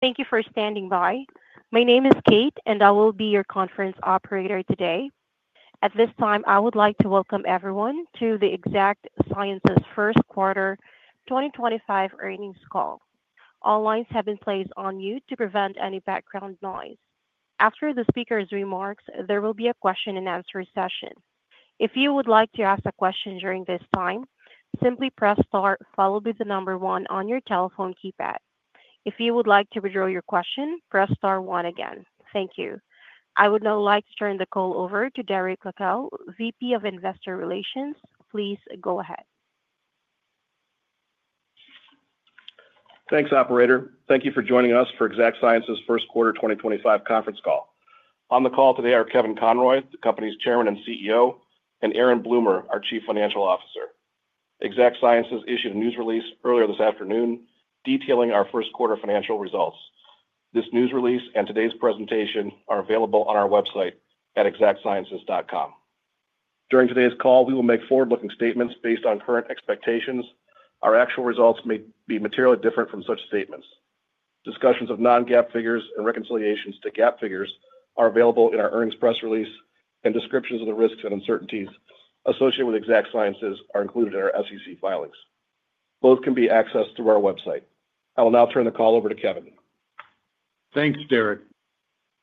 Thank you for standing by. My name is Kate, and I will be your conference operator today. At this time, I would like to welcome everyone to the Exact Sciences First Quarter 2025 earnings call. All lines have been placed on mute to prevent any background noise. After the speaker's remarks, there will be a question-and-answer session. If you would like to ask a question during this time, simply press Star, followed by the number one on your telephone keypad. If you would like to withdraw your question, press Star one again. Thank you. I would now like to turn the call over to Derek Leckow, VP of Investor Relations. Please go ahead. Thanks, Operator. Thank you for joining us for Exact Sciences First Quarter 2025 conference call. On the call today are Kevin Conroy, the company's Chairman and CEO, and Aaron Bloomer, our Chief Financial Officer. Exact Sciences issued a news release earlier this afternoon detailing our first quarter financial results. This news release and today's presentation are available on our website at exactsciences.com. During today's call, we will make forward-looking statements based on current expectations. Our actual results may be materially different from such statements. Discussions of non-GAAP figures and reconciliations to GAAP figures are available in our earnings press release, and descriptions of the risks and uncertainties associated with Exact Sciences are included in our SEC filings. Both can be accessed through our website. I will now turn the call over to Kevin. Thanks, Derek.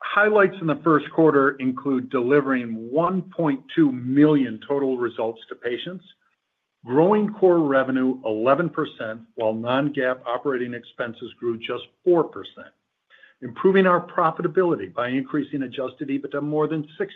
Highlights in the first quarter include delivering 1.2 million total results to patients, growing core revenue 11%, while non-GAAP operating expenses grew just 4%, improving our profitability by increasing adjusted EBITDA more than 60%,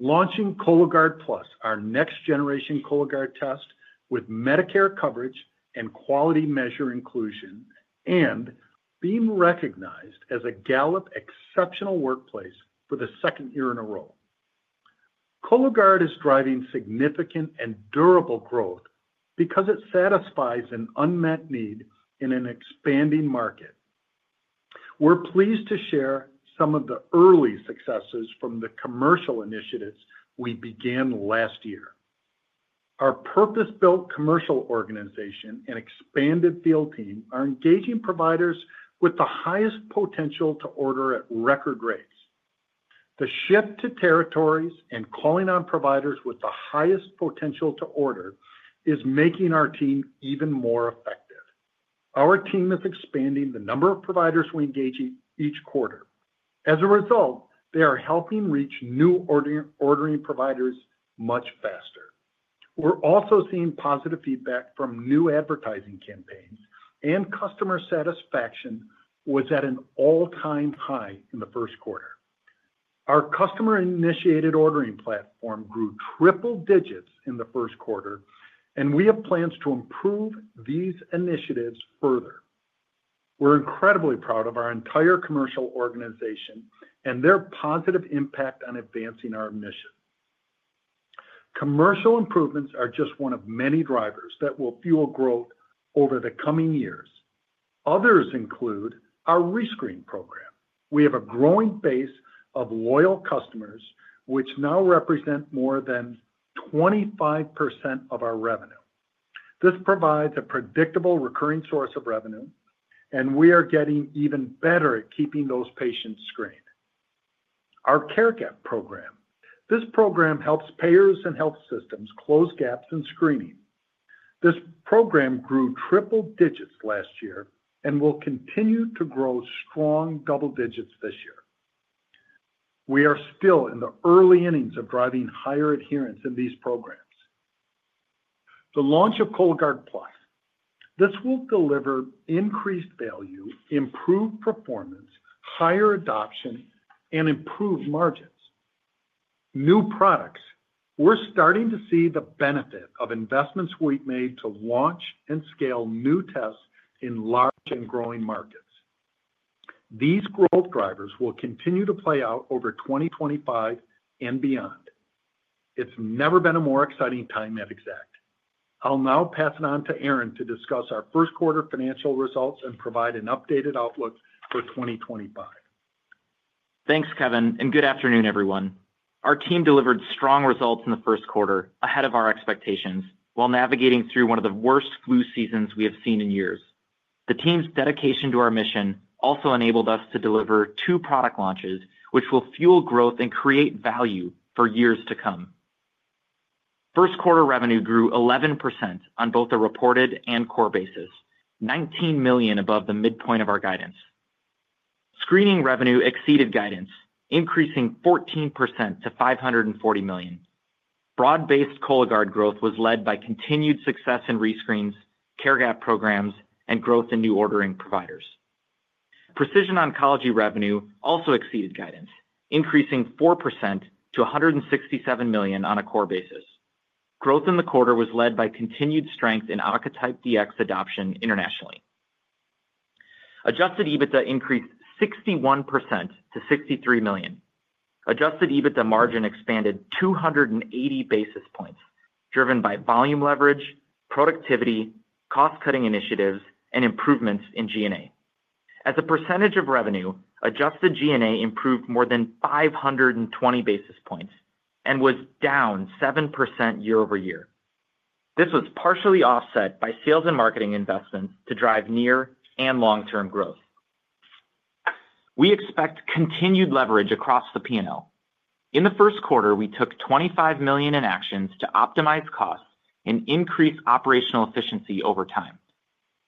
launching Cologuard Plus, our next-generation Cologuard test with Medicare coverage and quality measure inclusion, and being recognized as a Gallup Exceptional Workplace for the second year in a row. Cologuard is driving significant and durable growth because it satisfies an unmet need in an expanding market. We're pleased to share some of the early successes from the commercial initiatives we began last year. Our purpose-built commercial organization and expanded field team are engaging providers with the highest potential to order at record rates. The shift to territories and calling on providers with the highest potential to order is making our team even more effective. Our team is expanding the number of providers we engage each quarter. As a result, they are helping reach new ordering providers much faster. We're also seeing positive feedback from new advertising campaigns, and customer satisfaction was at an all-time high in the first quarter. Our customer-initiated ordering platform grew triple digits in the first quarter, and we have plans to improve these initiatives further. We're incredibly proud of our entire commercial organization and their positive impact on advancing our mission. Commercial improvements are just one of many drivers that will fuel growth over the coming years. Others include our rescreen program. We have a growing base of loyal customers, which now represent more than 25% of our revenue. This provides a predictable recurring source of revenue, and we are getting even better at keeping those patients screened. Our Care Gap program. This program helps payers and health systems close gaps in screening. This program grew triple digits last year and will continue to grow strong double digits this year. We are still in the early innings of driving higher adherence in these programs. The launch of Cologuard Plus. This will deliver increased value, improved performance, higher adoption, and improved margins. New products. We're starting to see the benefit of investments we've made to launch and scale new tests in large and growing markets. These growth drivers will continue to play out over 2025 and beyond. It's never been a more exciting time at Exact. I'll now pass it on to Aaron to discuss our first quarter financial results and provide an updated outlook for 2025. Thanks, Kevin, and good afternoon, everyone. Our team delivered strong results in the first quarter ahead of our expectations while navigating through one of the worst flu seasons we have seen in years. The team's dedication to our mission also enabled us to deliver two product launches, which will fuel growth and create value for years to come. First quarter revenue grew 11% on both the reported and core basis, $19 million above the midpoint of our guidance. Screening revenue exceeded guidance, increasing 14% to $540 million. Broad-based Cologuard growth was led by continued success in rescreens, Caregap programs, and growth in new ordering providers. Precision oncology revenue also exceeded guidance, increasing 4% to $167 million on a core basis. Growth in the quarter was led by continued strength in Oncotype DX adoption internationally. Adjusted EBITDA increased 61% to $63 million. Adjusted EBITDA margin expanded 280 basis points, driven by volume leverage, productivity, cost-cutting initiatives, and improvements in G&A. As a percentage of revenue, adjusted G&A improved more than 520 basis points and was down 7% year over year. This was partially offset by sales and marketing investments to drive near and long-term growth. We expect continued leverage across the P&L. In the first quarter, we took $25 million in actions to optimize costs and increase operational efficiency over time.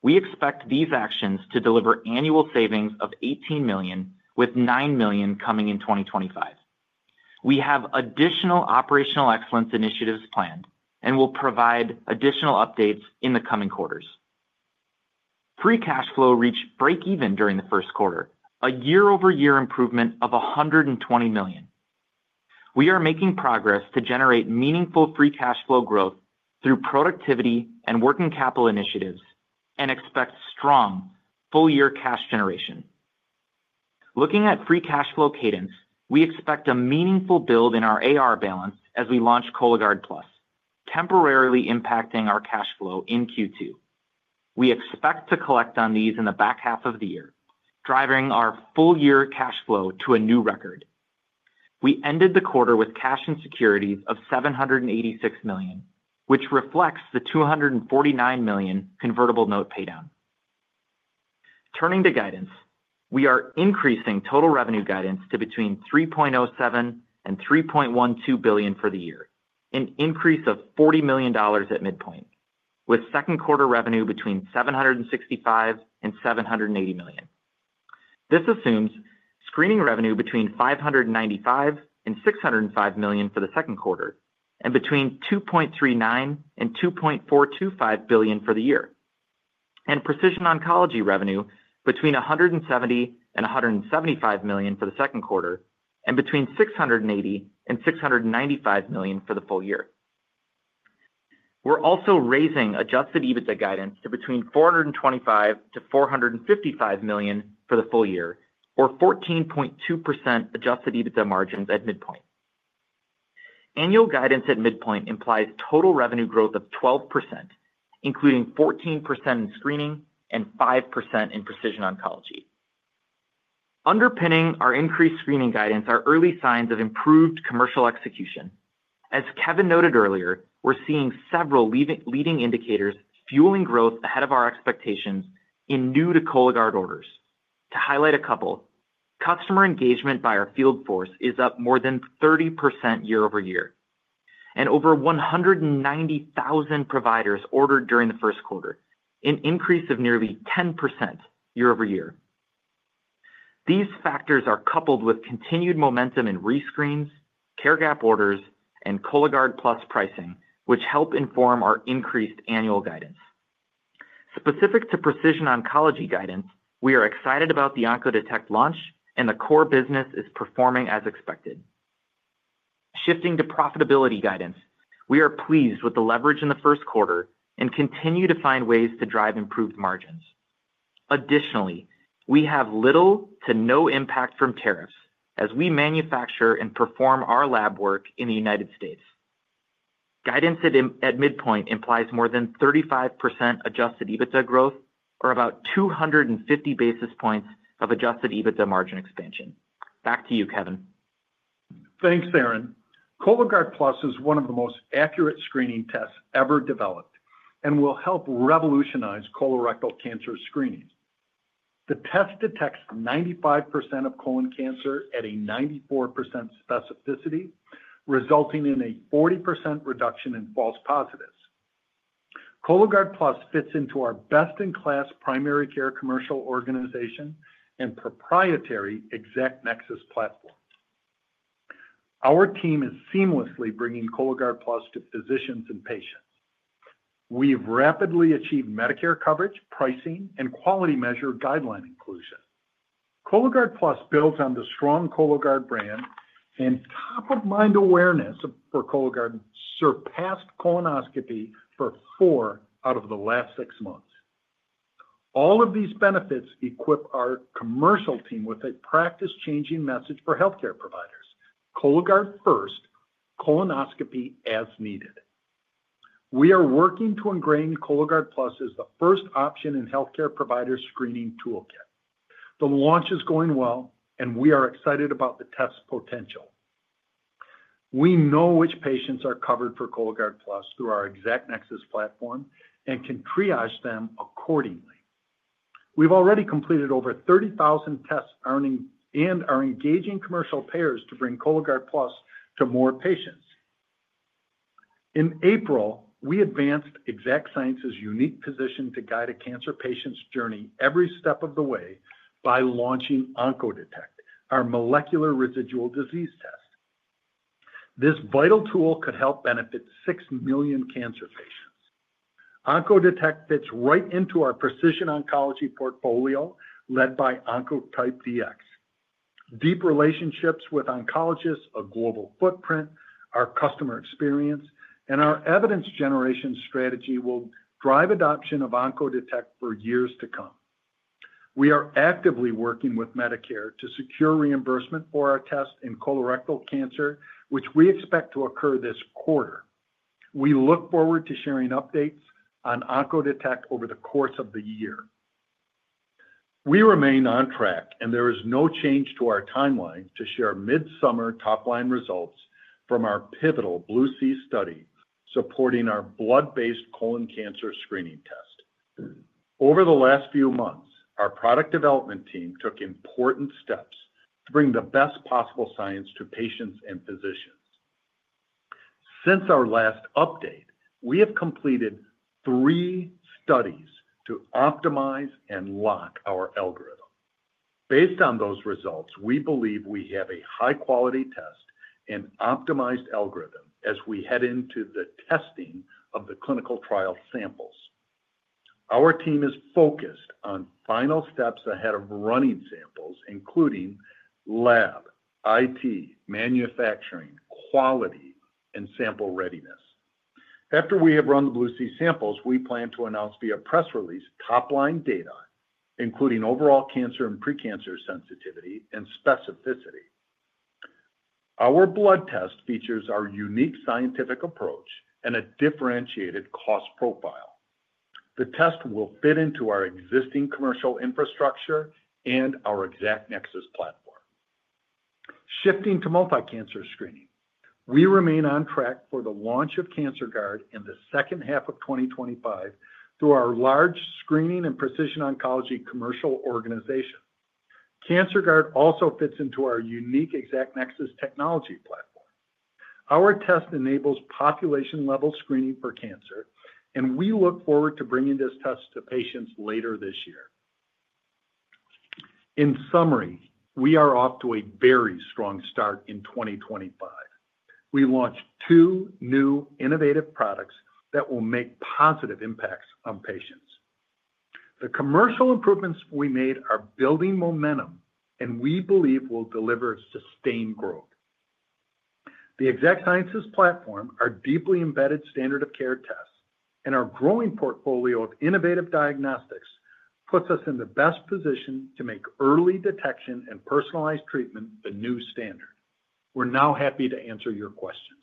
We expect these actions to deliver annual savings of $18 million, with $9 million coming in 2025. We have additional operational excellence initiatives planned and will provide additional updates in the coming quarters. Free cash flow reached break-even during the first quarter, a year-over-year improvement of $120 million. We are making progress to generate meaningful free cash flow growth through productivity and working capital initiatives and expect strong full-year cash generation. Looking at free cash flow cadence, we expect a meaningful build in our AR balance as we launch Cologuard Plus, temporarily impacting our cash flow in Q2. We expect to collect on these in the back half of the year, driving our full-year cash flow to a new record. We ended the quarter with cash and securities of $786 million, which reflects the $249 million convertible note paydown. Turning to guidance, we are increasing total revenue guidance to between $3.07 billion and $3.12 billion for the year, an increase of $40 million at midpoint, with second quarter revenue between $765 million and $780 million. This assumes screening revenue between $595 million and $605 million for the second quarter and between $2.39 billion and $2.425 billion for the year, and precision oncology revenue between $170 million and $175 million for the second quarter and between $680 million and $695 million for the full year. We're also raising adjusted EBITDA guidance to between $425 million-$455 million for the full year, or 14.2% adjusted EBITDA margins at midpoint. Annual guidance at midpoint implies total revenue growth of 12%, including 14% in screening and 5% in precision oncology. Underpinning our increased screening guidance are early signs of improved commercial execution. As Kevin noted earlier, we're seeing several leading indicators fueling growth ahead of our expectations in new-to-Cologuard orders. To highlight a couple, customer engagement by our field force is up more than 30% year over year, and over 190,000 providers ordered during the first quarter, an increase of nearly 10% year over year. These factors are coupled with continued momentum in rescreens, Caregap orders, and Cologuard Plus pricing, which help inform our increased annual guidance. Specific to precision oncology guidance, we are excited about the Oncodetect launch, and the core business is performing as expected. Shifting to profitability guidance, we are pleased with the leverage in the first quarter and continue to find ways to drive improved margins. Additionally, we have little to no impact from tariffs as we manufacture and perform our lab work in the United States. Guidance at midpoint implies more than 35% adjusted EBITDA growth, or about 250 basis points of adjusted EBITDA margin expansion. Back to you, Kevin. Thanks, Aaron. Cologuard Plus is one of the most accurate screening tests ever developed and will help revolutionize colorectal cancer screening. The test detects 95% of colon cancer at a 94% specificity, resulting in a 40% reduction in false positives. Cologuard Plus fits into our best-in-class primary care commercial organization and proprietary ExactNexus platform. Our team is seamlessly bringing Cologuard Plus to physicians and patients. We've rapidly achieved Medicare coverage, pricing, and quality measure guideline inclusion. Cologuard Plus builds on the strong Cologuard brand, and top-of-mind awareness for Cologuard surpassed colonoscopy for four out of the last six months. All of these benefits equip our commercial team with a practice-changing message for healthcare providers: Cologuard First, colonoscopy as needed. We are working to ingrain Cologuard Plus as the first option in healthcare provider screening toolkit. The launch is going well, and we are excited about the test potential. We know which patients are covered for Cologuard Plus through our ExactNexus platform and can triage them accordingly. We've already completed over 30,000 tests and are engaging commercial payers to bring Cologuard Plus to more patients. In April, we advanced Exact Sciences' unique position to guide a cancer patient's journey every step of the way by launching Oncodetect, our molecular residual disease test. This vital tool could help benefit 6 million cancer patients. Oncodetect fits right into our precision oncology portfolio led by Oncotype DX. Deep relationships with oncologists, a global footprint, our customer experience, and our evidence generation strategy will drive adoption of Oncodetect for years to come. We are actively working with Medicare to secure reimbursement for our test in colorectal cancer, which we expect to occur this quarter. We look forward to sharing updates on Oncodetect over the course of the year. We remain on track, and there is no change to our timeline to share mid-summer top-line results from our pivotal Blue Sea study supporting our blood-based colon cancer screening test. Over the last few months, our product development team took important steps to bring the best possible science to patients and physicians. Since our last update, we have completed three studies to optimize and lock our algorithm. Based on those results, we believe we have a high-quality test and optimized algorithm as we head into the testing of the clinical trial samples. Our team is focused on final steps ahead of running samples, including lab, IT, manufacturing, quality, and sample readiness. After we have run the Blue Sea samples, we plan to announce via press release top-line data, including overall cancer and precancer sensitivity and specificity. Our blood test features our unique scientific approach and a differentiated cost profile. The test will fit into our existing commercial infrastructure and our ExactNexus platform. Shifting to multi-cancer screening, we remain on track for the launch of Cancerguard in the second half of 2025 through our large screening and precision oncology commercial organization. Cancerguard also fits into our unique ExactNexus technology platform. Our test enables population-level screening for cancer, and we look forward to bringing this test to patients later this year. In summary, we are off to a very strong start in 2025. We launched two new innovative products that will make positive impacts on patients. The commercial improvements we made are building momentum, and we believe we'll deliver sustained growth. The Exact Sciences platform, our deeply embedded standard of care tests, and our growing portfolio of innovative diagnostics puts us in the best position to make early detection and personalized treatment the new standard. We're now happy to answer your questions.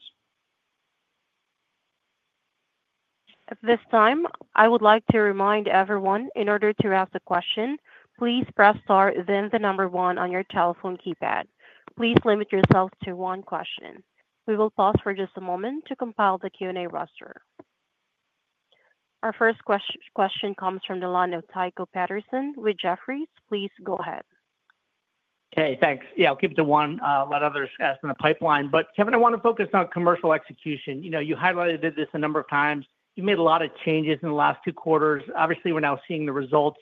At this time, I would like to remind everyone, in order to ask a question, please press star, then the number one on your telephone keypad. Please limit yourself to one question. We will pause for just a moment to compile the Q&A roster. Our first question comes from the line of Tycho Peterson with Jefferies. Please go ahead. Okay, thanks. Yeah, I'll keep it to one. Let others ask in the pipeline. Kevin, I want to focus on commercial execution. You highlighted this a number of times. You made a lot of changes in the last two quarters. Obviously, we're now seeing the results.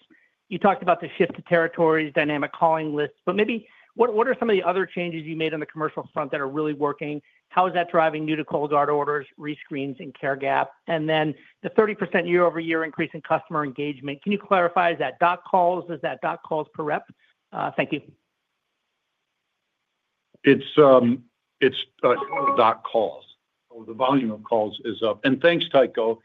You talked about the shift to territories, dynamic calling lists, but maybe what are some of the other changes you made on the commercial front that are really working? How is that driving new-to-Cologuard orders, rescreens, and Care Gap? The 30% year-over-year increase in customer engagement, can you clarify, is that dot calls? Is that dot calls per rep? Thank you. It's dot calls. The volume of calls is up. Thanks, Tycho.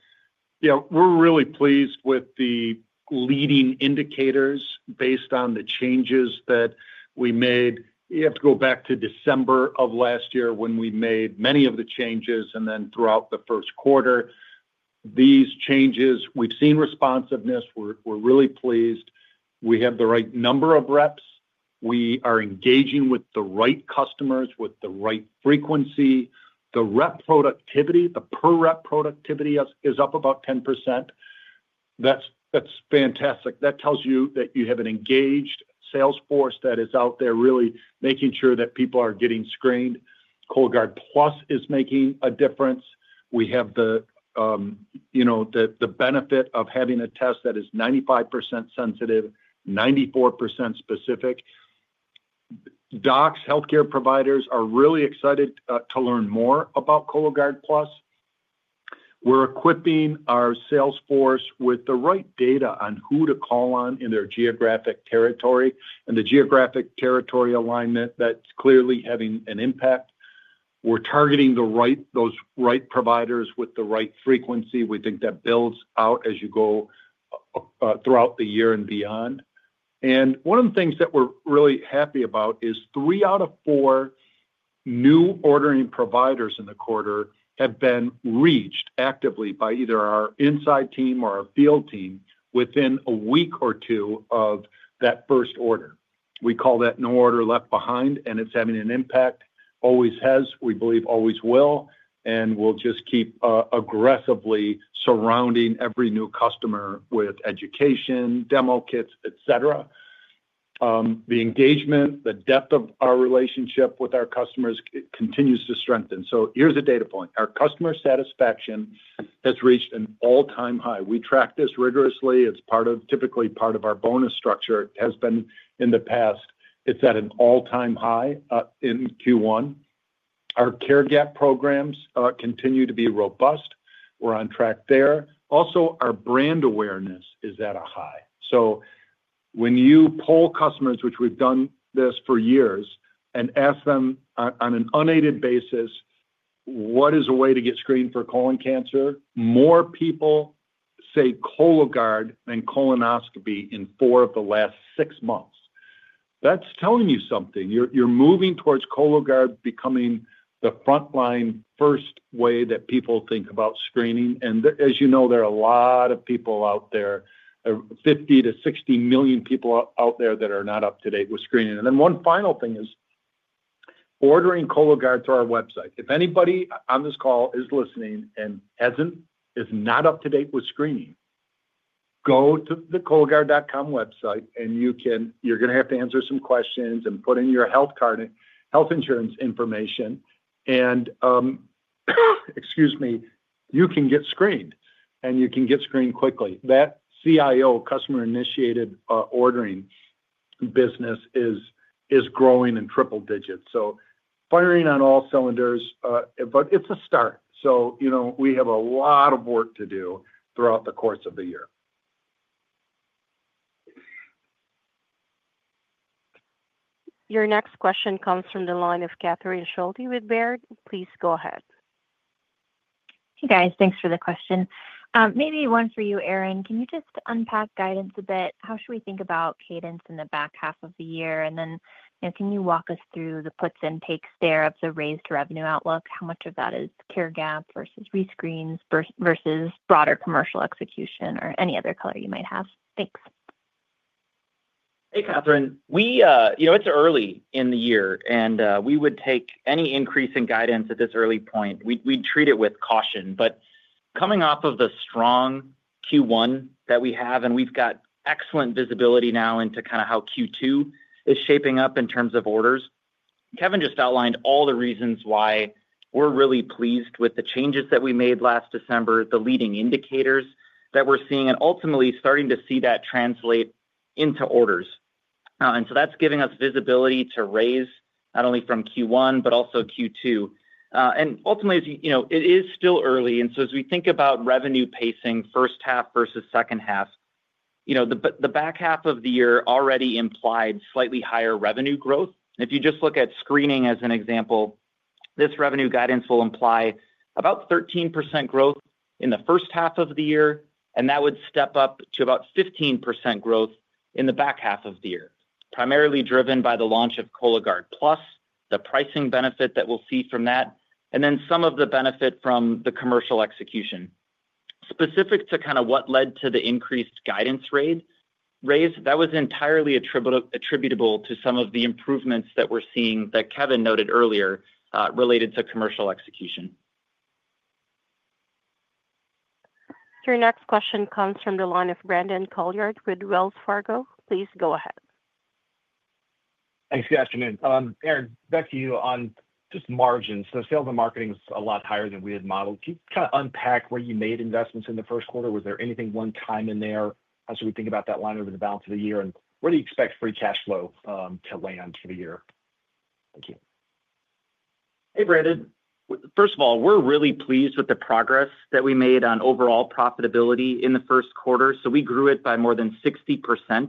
We're really pleased with the leading indicators based on the changes that we made. You have to go back to December of last year when we made many of the changes, and then throughout the first quarter. These changes, we've seen responsiveness. We're really pleased. We have the right number of reps. We are engaging with the right customers with the right frequency. The rep productivity, the per-rep productivity is up about 10%. That's fantastic. That tells you that you have an engaged salesforce that is out there really making sure that people are getting screened. Cologuard Plus is making a difference. We have the benefit of having a test that is 95% sensitive, 94% specific. Docs, healthcare providers are really excited to learn more about Cologuard Plus. We're equipping our salesforce with the right data on who to call on in their geographic territory and the geographic territory alignment that's clearly having an impact. We're targeting those right providers with the right frequency. We think that builds out as you go throughout the year and beyond. One of the things that we're really happy about is three out of four new ordering providers in the quarter have been reached actively by either our inside team or our field team within a week or two of that first order. We call that no order left behind, and it's having an impact, always has, we believe, always will, and we'll just keep aggressively surrounding every new customer with education, demo kits, etc. The engagement, the depth of our relationship with our customers continues to strengthen. Here's a data point. Our customer satisfaction has reached an all-time high. We track this rigorously. It's typically part of our bonus structure. It has been in the past. It's at an all-time high in Q1. Our Care Gap programs continue to be robust. We're on track there. Also, our brand awareness is at a high. When you poll customers, which we've done this for years, and ask them on an unaided basis, "What is a way to get screened for colon cancer?" more people say Cologuard than colonoscopy in four of the last six months. That's telling you something. You're moving towards Cologuard becoming the front-line first way that people think about screening. As you know, there are a lot of people out there, 50-60 million people out there that are not up to date with screening. One final thing is ordering Cologuard through our website. If anybody on this call is listening and is not up to date with screening, go to the cologuard.com website, and you're going to have to answer some questions and put in your health insurance information. Excuse me, you can get screened, and you can get screened quickly. That CIO, customer-initiated ordering business is growing in triple digits. Firing on all cylinders, but it's a start. We have a lot of work to do throughout the course of the year. Your next question comes from the line of Catherine Schulte with Baird. Please go ahead. Hey, guys. Thanks for the question. Maybe one for you, Aaron. Can you just unpack guidance a bit? How should we think about cadence in the back half of the year? Can you walk us through the puts and takes there of the raised revenue outlook? How much of that is Care Gap versus rescreens versus broader commercial execution or any other color you might have? Thanks. Hey, Catherine. It's early in the year, and we would take any increase in guidance at this early point. We'd treat it with caution. Coming off of the strong Q1 that we have, we've got excellent visibility now into kind of how Q2 is shaping up in terms of orders. Kevin just outlined all the reasons why we're really pleased with the changes that we made last December, the leading indicators that we're seeing, and ultimately starting to see that translate into orders. That is giving us visibility to raise not only from Q1, but also Q2. Ultimately, it is still early. As we think about revenue pacing, first half versus second half, the back half of the year already implied slightly higher revenue growth. If you just look at screening as an example, this revenue guidance will imply about 13% growth in the first half of the year, and that would step up to about 15% growth in the back half of the year, primarily driven by the launch of Cologuard Plus, the pricing benefit that we'll see from that, and then some of the benefit from the commercial execution. Specific to kind of what led to the increased guidance raise, that was entirely attributable to some of the improvements that we're seeing that Kevin noted earlier related to commercial execution. Your next question comes from the line of Brandon Colyard with Wells Fargo. Please go ahead. Thanks, good afternoon. Aaron, back to you on just margins. Sales and marketing was a lot higher than we had modeled. Can you kind of unpack where you made investments in the first quarter? Was there anything one-time in there as we think about that line over the balance of the year? Where do you expect free cash flow to land for the year? Thank you. Hey, Brandon. First of all, we're really pleased with the progress that we made on overall profitability in the first quarter. We grew it by more than 60%.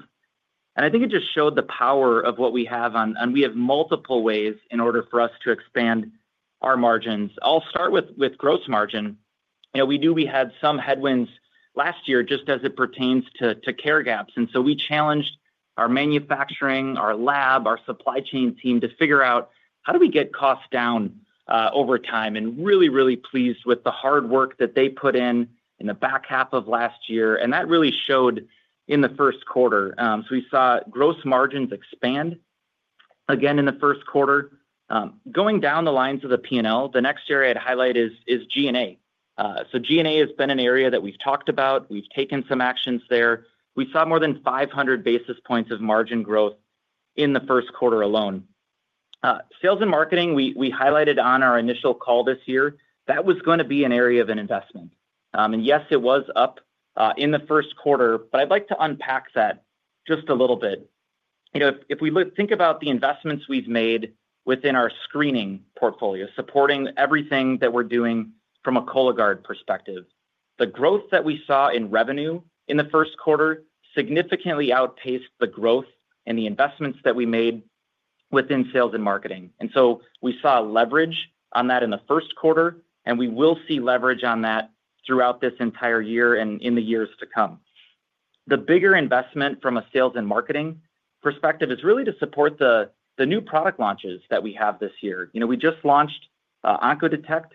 I think it just showed the power of what we have, and we have multiple ways in order for us to expand our margins. I'll start with gross margin. We knew we had some headwinds last year just as it pertains to Care Gaps. We challenged our manufacturing, our lab, our supply chain team to figure out how do we get costs down over time. Really, really pleased with the hard work that they put in in the back half of last year. That really showed in the first quarter. We saw gross margins expand again in the first quarter. Going down the lines of the P&L, the next area I'd highlight is G&A. G&A has been an area that we've talked about. We've taken some actions there. We saw more than 500 basis points of margin growth in the first quarter alone. Sales and marketing, we highlighted on our initial call this year. That was going to be an area of an investment. Yes, it was up in the first quarter, but I'd like to unpack that just a little bit. If we think about the investments we've made within our screening portfolio, supporting everything that we're doing from a Cologuard perspective, the growth that we saw in revenue in the first quarter significantly outpaced the growth and the investments that we made within sales and marketing. We saw leverage on that in the first quarter, and we will see leverage on that throughout this entire year and in the years to come. The bigger investment from a sales and marketing perspective is really to support the new product launches that we have this year. We just launched Oncodetect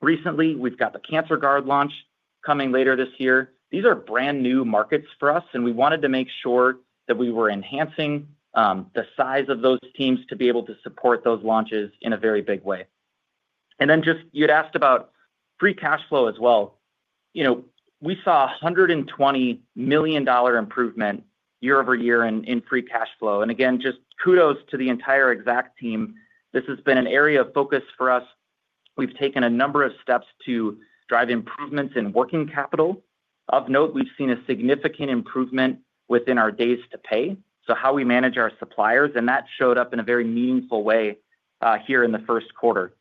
recently. We've got the Cancerguard launch coming later this year. These are brand new markets for us, and we wanted to make sure that we were enhancing the size of those teams to be able to support those launches in a very big way. You had asked about free cash flow as well. We saw a $120 million improvement year over year in free cash flow. Again, just kudos to the entire Exact team. This has been an area of focus for us. We've taken a number of steps to drive improvements in working capital. Of note, we've seen a significant improvement within our days to pay. How we manage our suppliers, and that showed up in a very meaningful way here in the first quarter.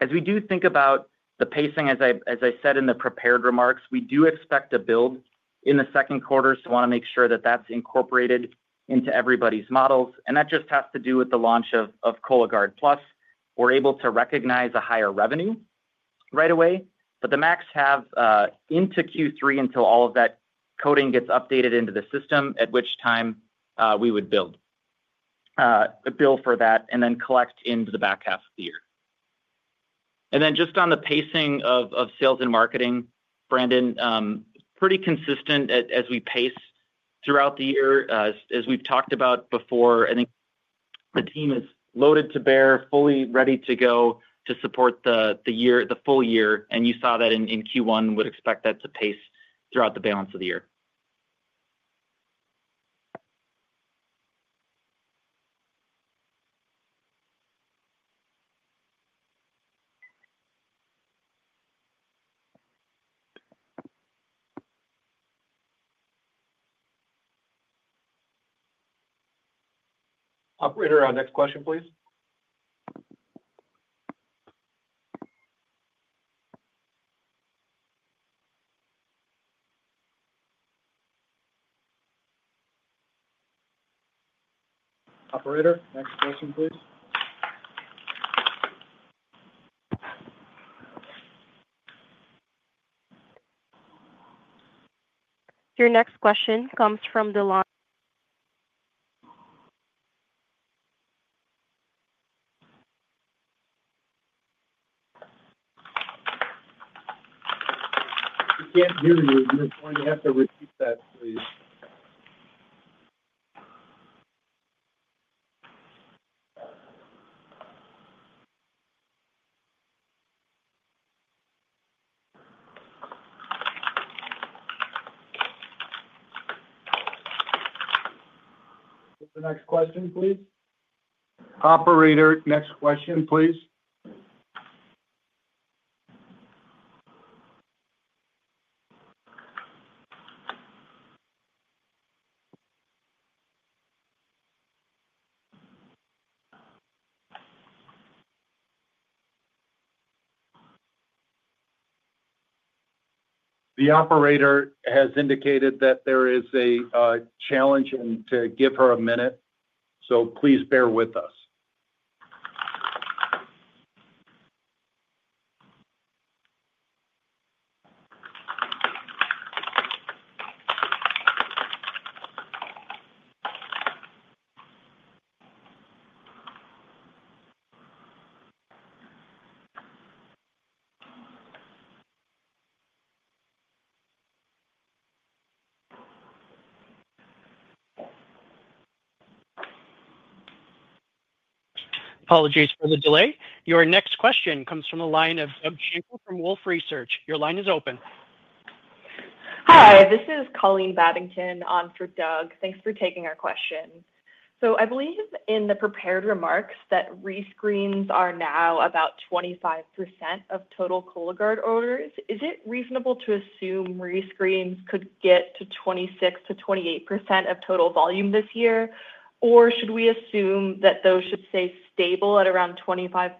As we do think about the pacing, as I said in the prepared remarks, we do expect a build in the second quarter. I want to make sure that that's incorporated into everybody's models. That just has to do with the launch of Cologuard Plus. We're able to recognize a higher revenue right away, but the max have into Q3 until all of that coding gets updated into the system, at which time we would build for that and then collect into the back half of the year. Just on the pacing of sales and marketing, Brandon, pretty consistent as we pace throughout the year. As we've talked about before, I think the team is loaded to bear, fully ready to go to support the full year. You saw that in Q1, would expect that to pace throughout the balance of the year. Operator, our next question, please. Operator, next question, please. Your next question comes from the line. You can't hear you. You're going to have to repeat that, please. The next question, please. Operator, next question, please. The operator has indicated that there is a challenge and to give her a minute. Please bear with us. Apologies for the delay. Your next question comes from the line of Doug Shankle from Wolfe Research. Your line is open. Hi, this is Colleen Babington on for Doug. Thanks for taking our question. I believe in the prepared remarks that rescreens are now about 25% of total Cologuard orders. Is it reasonable to assume rescreens could get to 26-28% of total volume this year? Should we assume that those should stay stable at around 25%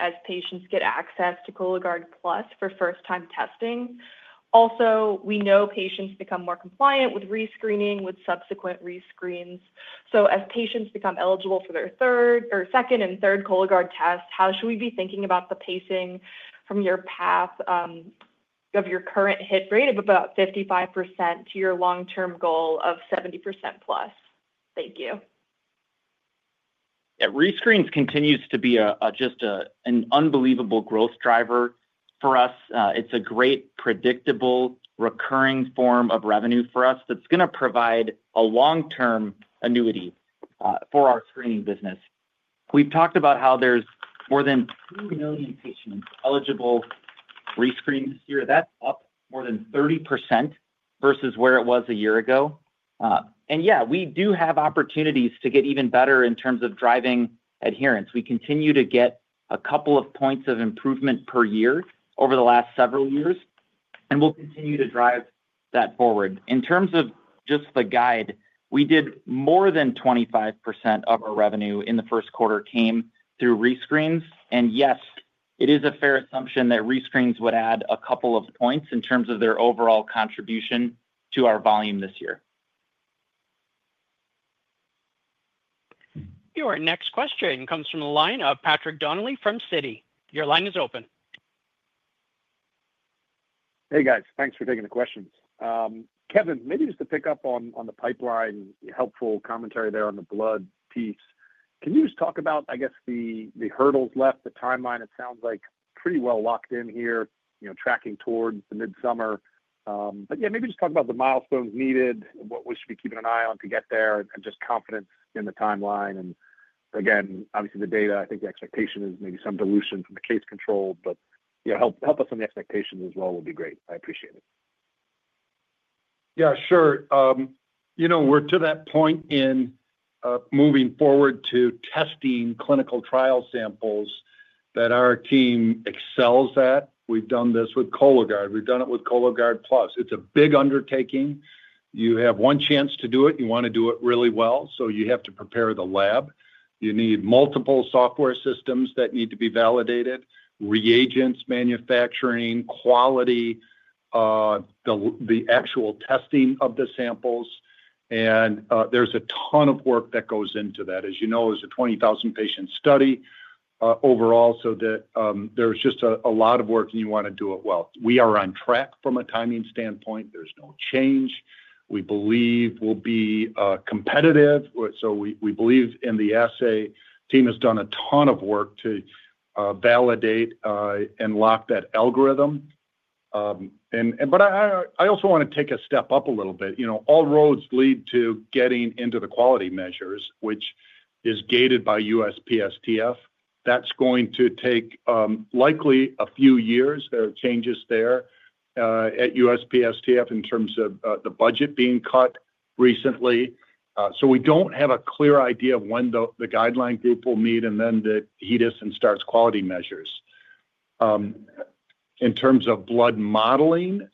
as patients get access to Cologuard Plus for first-time testing? We know patients become more compliant with rescreening with subsequent rescreens. As patients become eligible for their second and third Cologuard test, how should we be thinking about the pacing from your path of your current hit rate of about 55% to your long-term goal of 70% plus? Thank you. Yeah, rescreens continues to be just an unbelievable growth driver for us. It's a great predictable recurring form of revenue for us that's going to provide a long-term annuity for our screening business. We've talked about how there's more than 2 million patients eligible rescreened this year. That's up more than 30% versus where it was a year ago. Yeah, we do have opportunities to get even better in terms of driving adherence. We continue to get a couple of points of improvement per year over the last several years, and we'll continue to drive that forward. In terms of just the guide, we did more than 25% of our revenue in the first quarter came through rescreens. Yes, it is a fair assumption that rescreens would add a couple of points in terms of their overall contribution to our volume this year. Your next question comes from the line of Patrick Donnelly from Citi. Your line is open. Hey, guys. Thanks for taking the questions. Kevin, maybe just to pick up on the pipeline, helpful commentary there on the blood piece. Can you just talk about, I guess, the hurdles left, the timeline? It sounds like pretty well locked in here, tracking towards the mid-summer. Yeah, maybe just talk about the milestones needed, what we should be keeping an eye on to get there, and just confidence in the timeline. Again, obviously, the data, I think the expectation is maybe some dilution from the case control, but help us on the expectations as well would be great. I appreciate it. Yeah, sure. We're to that point in moving forward to testing clinical trial samples that our team excels at. We've done this with Cologuard. We've done it with Cologuard Plus. It's a big undertaking. You have one chance to do it. You want to do it really well. You have to prepare the lab. You need multiple software systems that need to be validated, reagents, manufacturing, quality, the actual testing of the samples. There's a ton of work that goes into that. As you know, it's a 20,000-patient study overall, so there's just a lot of work, and you want to do it well. We are on track from a timing standpoint. There's no change. We believe we'll be competitive. We believe in the assay team has done a ton of work to validate and lock that algorithm. I also want to take a step up a little bit. All roads lead to getting into the quality measures, which is gated by USPSTF. That's going to take likely a few years. There are changes there at USPSTF in terms of the budget being cut recently. We don't have a clear idea of when the guideline group will meet and then the HEDIS and STARS quality measures. In terms of blood modeling,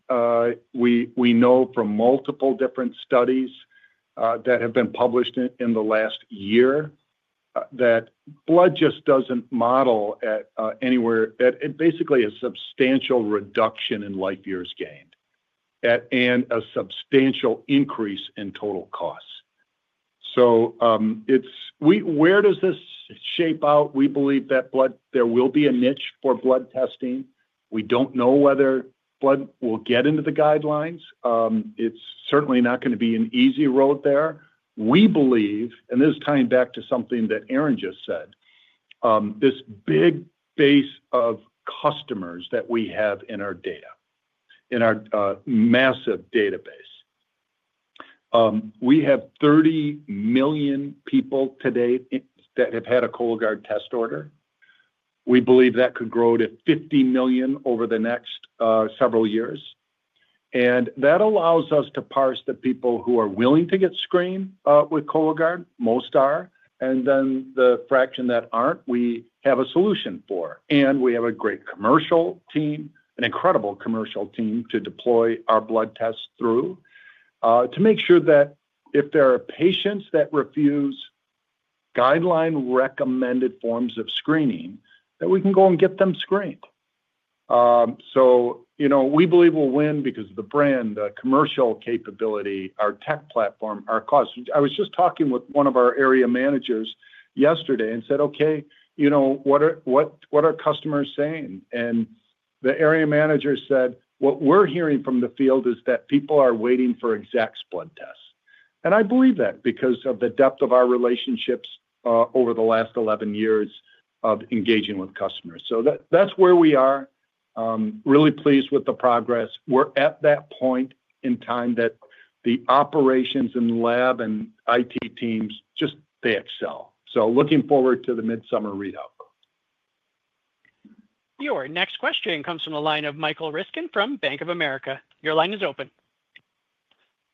we know from multiple different studies that have been published in the last year that blood just doesn't model anywhere at basically a substantial reduction in life years gained and a substantial increase in total costs. Where does this shape out? We believe that there will be a niche for blood testing. We don't know whether blood will get into the guidelines. It's certainly not going to be an easy road there. We believe, and this is tying back to something that Aaron just said, this big base of customers that we have in our data, in our massive database. We have 30 million people today that have had a Cologuard test order. We believe that could grow to 50 million over the next several years. That allows us to parse the people who are willing to get screened with Cologuard. Most are. The fraction that are not, we have a solution for. We have a great commercial team, an incredible commercial team to deploy our blood tests through to make sure that if there are patients that refuse guideline-recommended forms of screening, we can go and get them screened. We believe we will win because of the brand, the commercial capability, our tech platform, our cost. I was just talking with one of our area managers yesterday and said, "Okay, what are customers saying?" The area manager said, "What we're hearing from the field is that people are waiting for Exact's blood tests." I believe that because of the depth of our relationships over the last 11 years of engaging with customers. That is where we are. Really pleased with the progress. We're at that point in time that the operations and lab and IT teams just, they excel. Looking forward to the mid-summer readout. Your next question comes from the line of Michael Ryskin from Bank of America. Your line is open.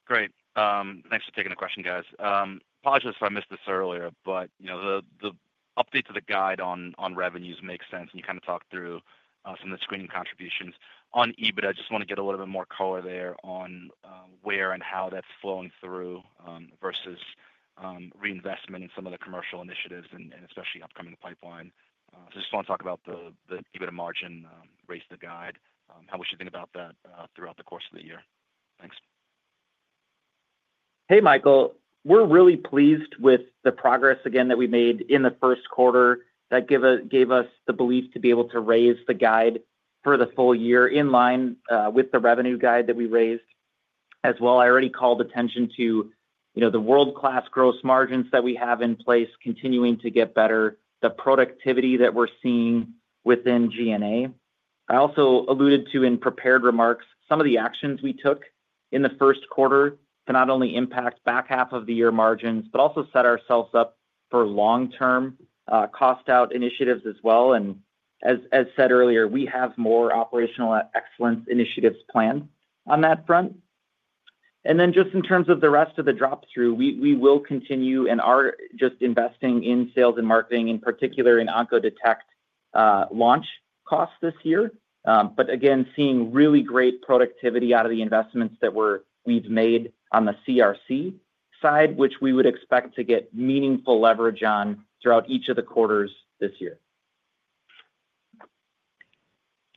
Great. Thanks for taking the question, guys. Apologies if I missed this earlier, but the update to the guide on revenues makes sense, and you kind of talked through some of the screening contributions. On EBITDA, I just want to get a little bit more color there on where and how that's flowing through versus reinvestment in some of the commercial initiatives and especially upcoming pipeline. I just want to talk about the EBITDA margin raised the guide. How much do you think about that throughout the course of the year? Thanks. Hey, Michael. We're really pleased with the progress again that we made in the first quarter that gave us the belief to be able to raise the guide for the full year in line with the revenue guide that we raised as well. I already called attention to the world-class gross margins that we have in place, continuing to get better, the productivity that we're seeing within G&A. I also alluded to in prepared remarks some of the actions we took in the first quarter to not only impact back half of the year margins, but also set ourselves up for long-term cost-out initiatives as well. As said earlier, we have more operational excellence initiatives planned on that front. Just in terms of the rest of the drop-through, we will continue and are just investing in sales and marketing, in particular in Oncodetect launch costs this year. Again, seeing really great productivity out of the investments that we've made on the CRC side, which we would expect to get meaningful leverage on throughout each of the quarters this year.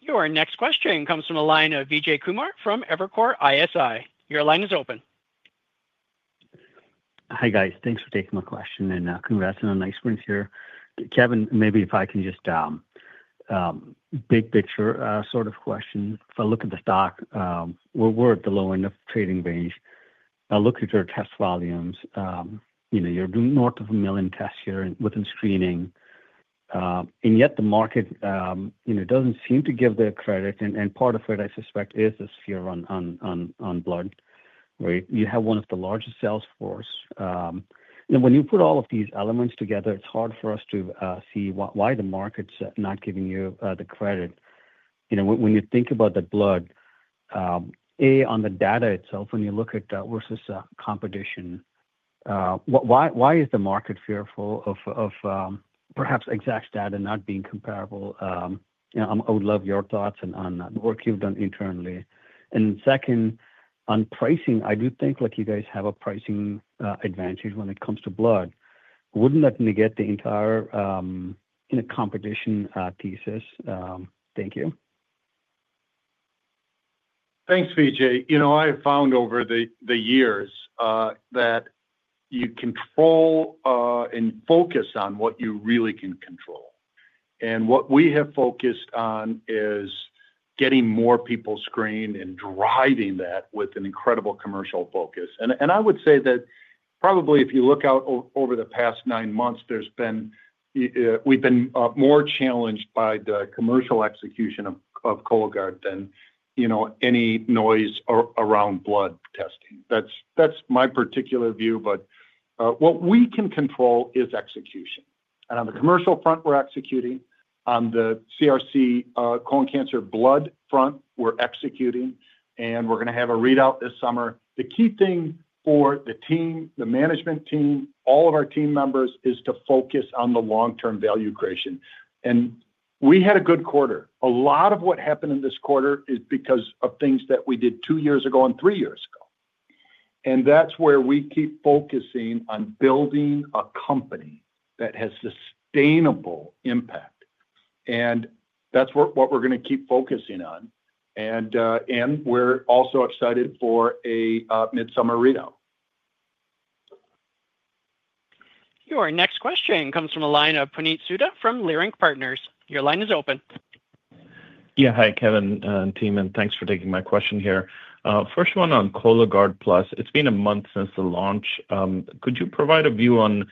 Your next question comes from the line of Vijay Kumar from Evercore ISI. Your line is open. Hi, guys. Thanks for taking my question and congrats on a nice screen here. Kevin, maybe if I can just big picture sort of question. If I look at the stock, we're at the low end of trading range. I look at your test volumes. You're doing north of a million tests here within screening. Yet the market doesn't seem to give the credit. Part of it, I suspect, is this fear on blood, right? You have one of the largest sales force. When you put all of these elements together, it's hard for us to see why the market's not giving you the credit. When you think about the blood, A, on the data itself, when you look at versus competition, why is the market fearful of perhaps Exact's data not being comparable? I would love your thoughts on the work you've done internally. Second, on pricing, I do think you guys have a pricing advantage when it comes to blood. Wouldn't that negate the entire competition thesis? Thank you. Thanks, Vijay. I have found over the years that you control and focus on what you really can control. What we have focused on is getting more people screened and driving that with an incredible commercial focus. I would say that probably if you look out over the past nine months, we've been more challenged by the commercial execution of Cologuard than any noise around blood testing. That's my particular view, but what we can control is execution. On the commercial front, we're executing. On the CRC colon cancer blood front, we're executing. We're going to have a readout this summer. The key thing for the team, the management team, all of our team members is to focus on the long-term value creation. We had a good quarter. A lot of what happened in this quarter is because of things that we did two years ago and three years ago. That is where we keep focusing on building a company that has sustainable impact. That is what we're going to keep focusing on. We're also excited for a mid-summer readout. Your next question comes from the line of Praneeth Sudha from Leerink Partners. Your line is open. Yeah, hi, Kevin and team, and thanks for taking my question here. First one on Cologuard Plus. It's been a month since the launch. Could you provide a view on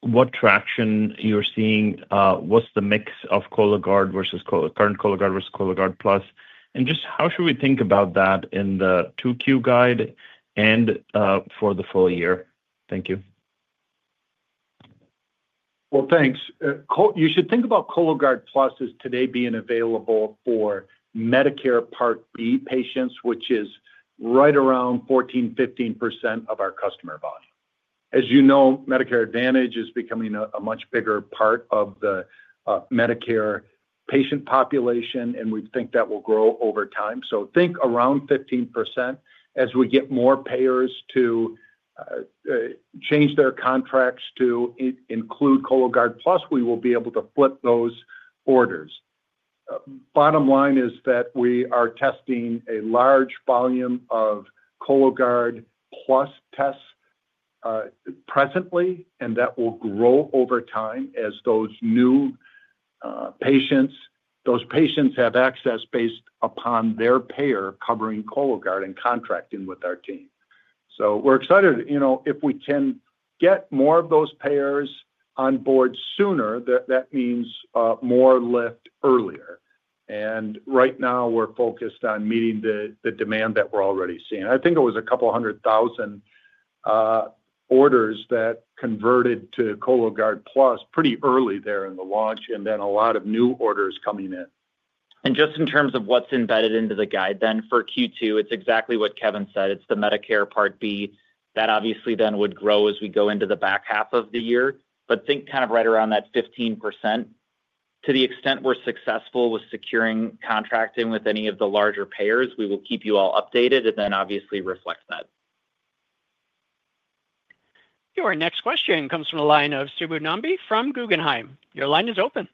what traction you're seeing? What's the mix of Cologuard versus current Cologuard versus Cologuard Plus? Just how should we think about that in the 2Q guide and for the full year? Thank you. Thanks. You should think about Cologuard Plus as today being available for Medicare Part B patients, which is right around 14-15% of our customer volume. As you know, Medicare Advantage is becoming a much bigger part of the Medicare patient population, and we think that will grow over time. Think around 15%. As we get more payers to change their contracts to include Cologuard Plus, we will be able to flip those orders. Bottom line is that we are testing a large volume of Cologuard Plus tests presently, and that will grow over time as those new patients have access based upon their payer covering Cologuard and contracting with our team. We are excited. If we can get more of those payers on board sooner, that means more lift earlier. Right now, we are focused on meeting the demand that we are already seeing. I think it was a couple hundred thousand orders that converted to Cologuard Plus pretty early there in the launch and then a lot of new orders coming in. Just in terms of what's embedded into the guide then for Q2, it's exactly what Kevin said. It's the Medicare Part B that obviously then would grow as we go into the back half of the year. Think kind of right around that 15%. To the extent we're successful with securing contracting with any of the larger payers, we will keep you all updated and then obviously reflect that. Your next question comes from the line of Suraj Nambi from Guggenheim. Your line is open.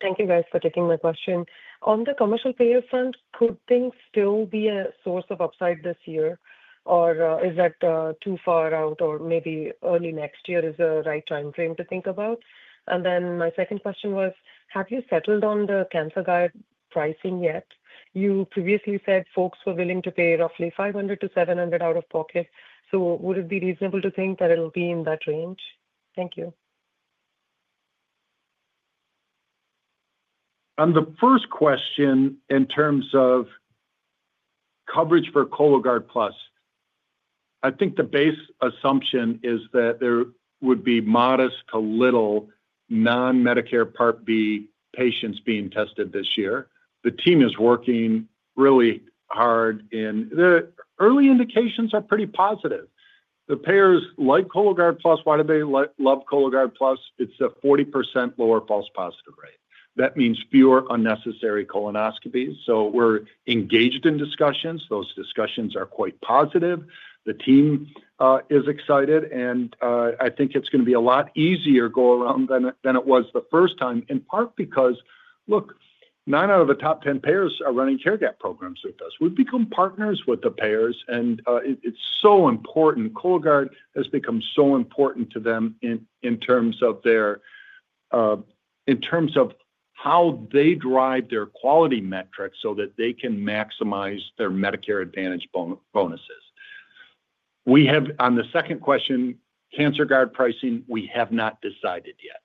Thank you, guys, for taking my question. On the commercial payer front, could things still be a source of upside this year, or is that too far out, or maybe early next year is a right time frame to think about? My second question was, have you settled on the Cancerguard pricing yet? You previously said folks were willing to pay roughly $500 - $700 out of pocket. Would it be reasonable to think that it'll be in that range? Thank you. On the first question in terms of coverage for Cologuard Plus, I think the base assumption is that there would be modest to little non-Medicare Part B patients being tested this year. The team is working really hard, and the early indications are pretty positive. The payers like Cologuard Plus. Why do they love Cologuard Plus? It's a 40% lower false positive rate. That means fewer unnecessary colonoscopies. We are engaged in discussions. Those discussions are quite positive. The team is excited, and I think it's going to be a lot easier going around than it was the first time, in part because, look, nine out of the top 10 payers are running Care Gap programs with us. We've become partners with the payers, and it's so important. Cologuard has become so important to them in terms of how they drive their quality metrics so that they can maximize their Medicare Advantage bonuses. On the second question, Cancerguard pricing, we have not decided yet.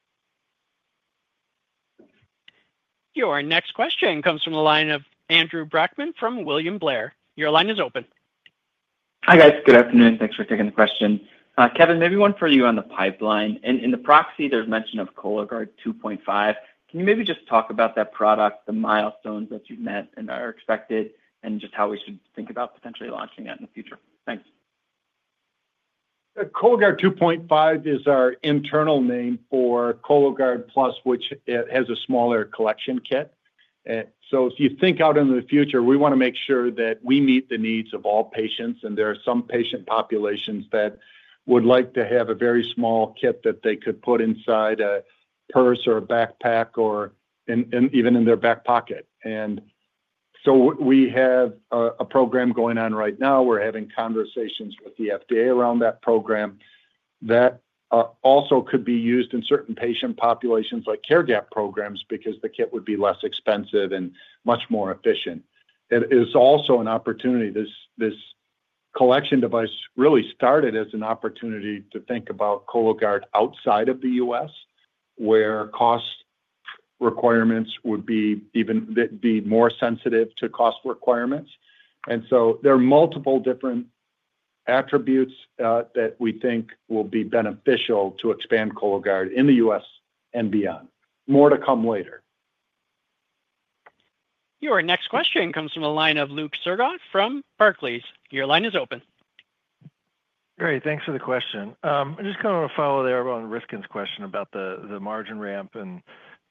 Your next question comes from the line of Andrew Brackmann from William Blair. Your line is open. Hi, guys. Good afternoon. Thanks for taking the question. Kevin, maybe one for you on the pipeline. In the proxy, there's mention of Cologuard 2.5. Can you maybe just talk about that product, the milestones that you've met and are expected, and just how we should think about potentially launching that in the future? Thanks. Cologuard 2.5 is our internal name for Cologuard Plus, which has a smaller collection kit. If you think out in the future, we want to make sure that we meet the needs of all patients. There are some patient populations that would like to have a very small kit that they could put inside a purse or a backpack or even in their back pocket. We have a program going on right now. We are having conversations with the FDA around that program that also could be used in certain patient populations like Care Gap programs because the kit would be less expensive and much more efficient. It is also an opportunity. This collection device really started as an opportunity to think about Cologuard outside of the U.S., where cost requirements would be more sensitive to cost requirements. There are multiple different attributes that we think will be beneficial to expand Cologuard in the U.S. and beyond. More to come later. Your next question comes from the line of Luke Sergott from Barclays. Your line is open. Great. Thanks for the question. I just kind of want to follow there on Ryskin's question about the margin ramp.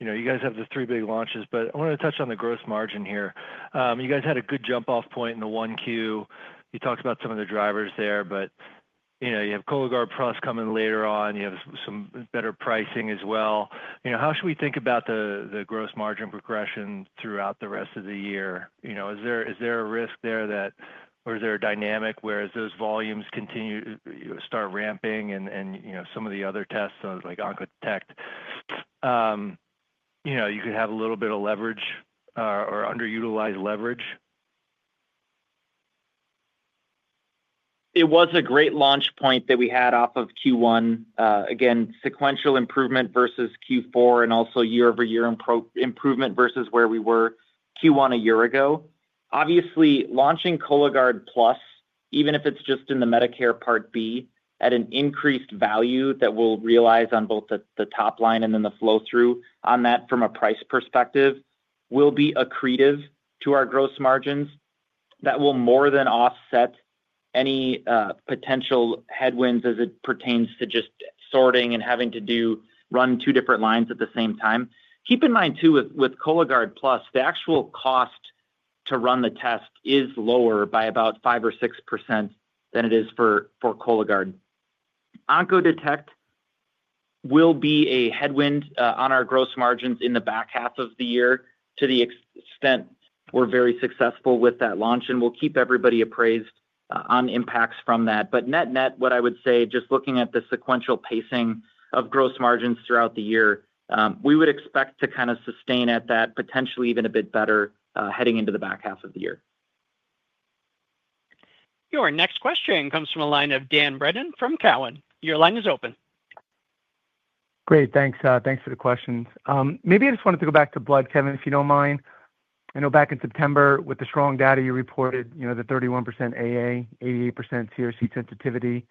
You guys have the three big launches, but I want to touch on the gross margin here. You guys had a good jump-off point in the 1Q. You talked about some of the drivers there, but you have Cologuard Plus coming later on. You have some better pricing as well. How should we think about the gross margin progression throughout the rest of the year? Is there a risk there that, or is there a dynamic where as those volumes start ramping and some of the other tests like Oncodetect, you could have a little bit of leverage or underutilized leverage? It was a great launch point that we had off of Q1. Again, sequential improvement versus Q4 and also year-over-year improvement versus where we were Q1 a year ago. Obviously, launching Cologuard Plus, even if it's just in the Medicare Part B, at an increased value that we'll realize on both the top line and then the flow-through on that from a price perspective will be accretive to our gross margins. That will more than offset any potential headwinds as it pertains to just sorting and having to run two different lines at the same time. Keep in mind too, with Cologuard Plus, the actual cost to run the test is lower by about 5% or 6% than it is for Cologuard. Oncodetect will be a headwind on our gross margins in the back half of the year to the extent. We're very successful with that launch, and we'll keep everybody appraised on impacts from that. Net-net, what I would say, just looking at the sequential pacing of gross margins throughout the year, we would expect to kind of sustain at that, potentially even a bit better heading into the back half of the year. Your next question comes from the line of Dan Brennan from Cowen. Your line is open. Great. Thanks. Thanks for the questions. Maybe I just wanted to go back to blood, Kevin, if you don't mind. I know back in September, with the strong data you reported, the 31% AA, 88% CRC sensitivity,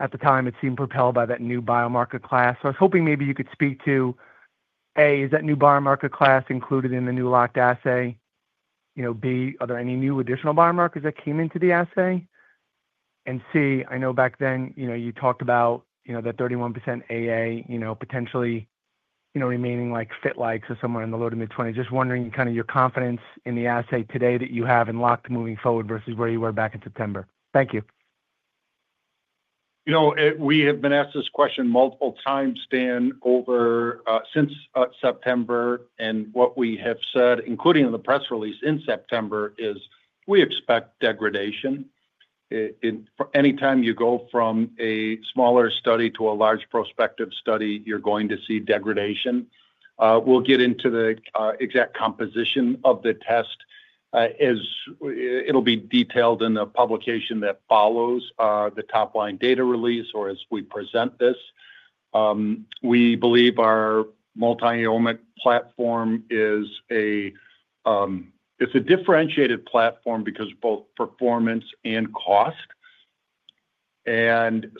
at the time, it seemed propelled by that new biomarker class. I was hoping maybe you could speak to, A, is that new biomarker class included in the new locked assay? B, are there any new additional biomarkers that came into the assay? C, I know back then you talked about that 31% AA potentially remaining like fit-likes or somewhere in the low to mid-20s. Just wondering kind of your confidence in the assay today that you have in locked moving forward versus where you were back in September. Thank you. We have been asked this question multiple times, Dan, since September. What we have said, including in the press release in September, is we expect degradation. Anytime you go from a smaller study to a large prospective study, you're going to see degradation. We'll get into the exact composition of the test. It'll be detailed in the publication that follows the top line data release or as we present this. We believe our multi-element platform is a differentiated platform because of both performance and cost. In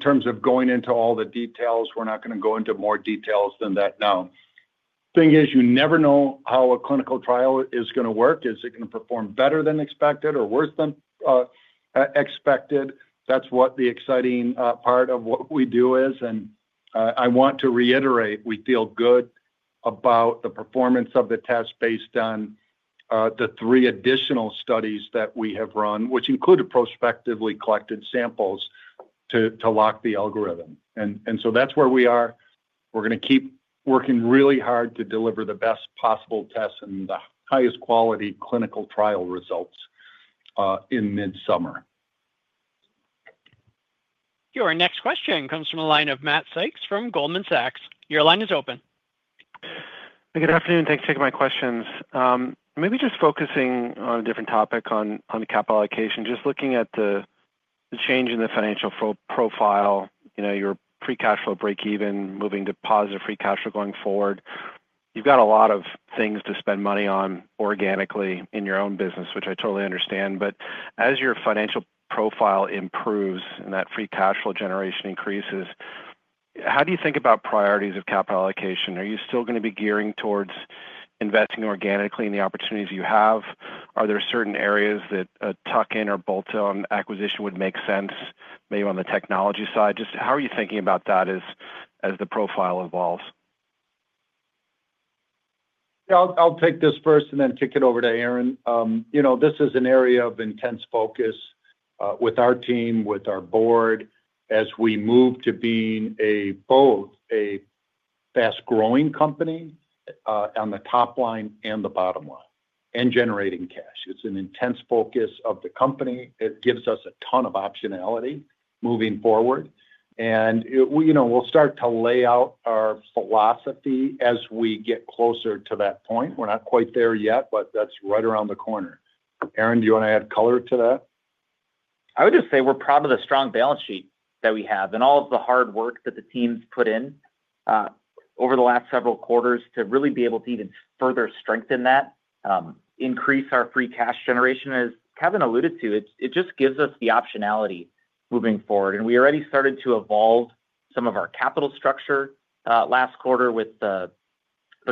terms of going into all the details, we're not going to go into more details than that now. The thing is, you never know how a clinical trial is going to work. Is it going to perform better than expected or worse than expected? That's what the exciting part of what we do is. I want to reiterate, we feel good about the performance of the test based on the three additional studies that we have run, which included prospectively collected samples to lock the algorithm. That is where we are. We are going to keep working really hard to deliver the best possible tests and the highest quality clinical trial results in mid-summer. Your next question comes from the line of Matt Sykes from Goldman Sachs. Your line is open. Good afternoon. Thanks for taking my questions. Maybe just focusing on a different topic on capital allocation. Just looking at the change in the financial profile, your free cash flow breakeven moving to positive free cash flow going forward, you've got a lot of things to spend money on organically in your own business, which I totally understand. As your financial profile improves and that free cash flow generation increases, how do you think about priorities of capital allocation? Are you still going to be gearing towards investing organically in the opportunities you have? Are there certain areas that a tuck-in or bolt-on acquisition would make sense, maybe on the technology side? Just how are you thinking about that as the profile evolves? I'll take this first and then kick it over to Aaron. This is an area of intense focus with our team, with our board, as we move to being both a fast-growing company on the top line and the bottom line and generating cash. It's an intense focus of the company. It gives us a ton of optionality moving forward. We'll start to lay out our philosophy as we get closer to that point. We're not quite there yet, but that's right around the corner. Aaron, do you want to add color to that? I would just say we're proud of the strong balance sheet that we have and all of the hard work that the team's put in over the last several quarters to really be able to even further strengthen that, increase our free cash generation. As Kevin alluded to, it just gives us the optionality moving forward. We already started to evolve some of our capital structure last quarter with the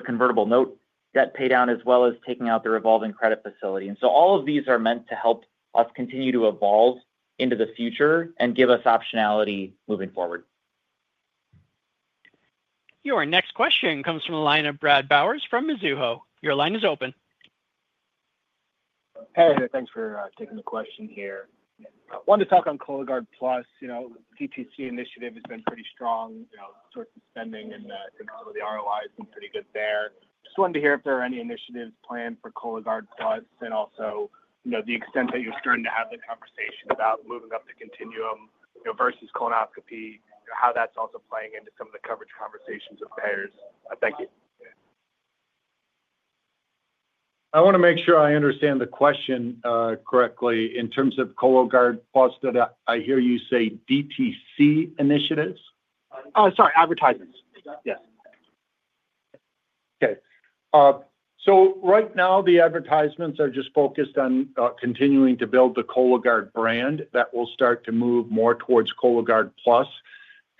convertible note debt paydown as well as taking out the revolving credit facility. All of these are meant to help us continue to evolve into the future and give us optionality moving forward. Your next question comes from the line of Brad Bowers from Mizuho. Your line is open. Hey, thanks for taking the question here. I wanted to talk on Cologuard Plus. DTC initiative has been pretty strong, sort of spending, and I think some of the ROI has been pretty good there. Just wanted to hear if there are any initiatives planned for Cologuard Plus and also the extent that you're starting to have the conversation about moving up the continuum versus colonoscopy, how that's also playing into some of the coverage conversations with payers. Thank you. I want to make sure I understand the question correctly. In terms of Cologuard Plus, did I hear you say DTC initiatives? Sorry, advertisements. Yes. Okay. Right now, the advertisements are just focused on continuing to build the Cologuard brand that will start to move more towards Cologuard Plus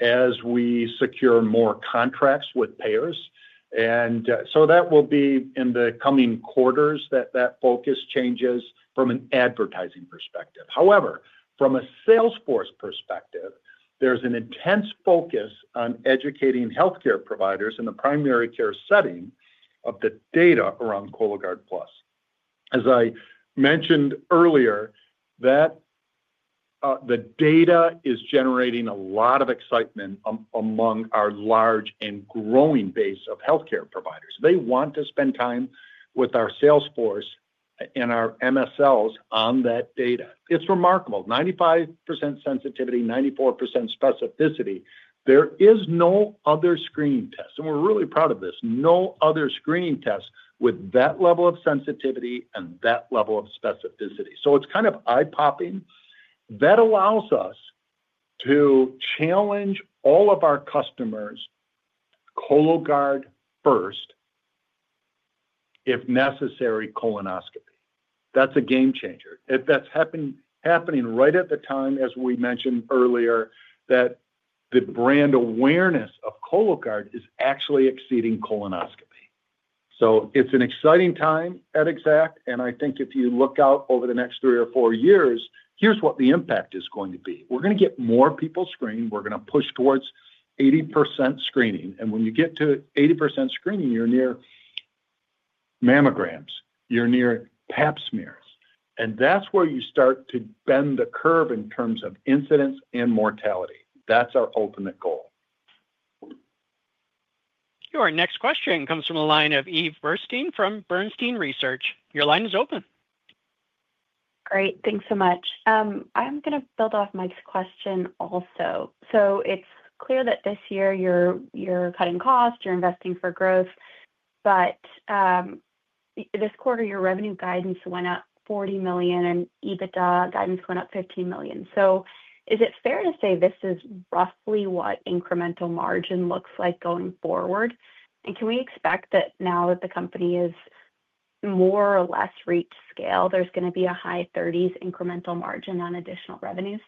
as we secure more contracts with payers. That will be in the coming quarters that that focus changes from an advertising perspective. However, from a Salesforce perspective, there's an intense focus on educating healthcare providers in the primary care setting of the data around Cologuard Plus. As I mentioned earlier, the data is generating a lot of excitement among our large and growing base of healthcare providers. They want to spend time with our Salesforce and our MSLs on that data. It's remarkable. 95% sensitivity, 94% specificity. There is no other screening test. We're really proud of this. No other screening test with that level of sensitivity and that level of specificity. It's kind of eye-popping. That allows us to challenge all of our customers, Cologuard first, if necessary, colonoscopy. That is a game changer. That is happening right at the time, as we mentioned earlier, that the brand awareness of Cologuard is actually exceeding colonoscopy. It is an exciting time at Exact. I think if you look out over the next three or four years, here is what the impact is going to be. We are going to get more people screened. We are going to push towards 80% screening. When you get to 80% screening, you are near mammograms. You are near Pap smears. That is where you start to bend the curve in terms of incidence and mortality. That is our ultimate goal. Your next question comes from the line of Eve Bernstein from Bernstein Research. Your line is open. Great. Thanks so much. I'm going to build off Mike's question also. It's clear that this year you're cutting costs. You're investing for growth. This quarter, your revenue guidance went up $40 million, and EBITDA guidance went up $15 million. Is it fair to say this is roughly what incremental margin looks like going forward? Can we expect that now that the company has more or less reached scale, there's going to be a high 30s incremental margin on additional revenues?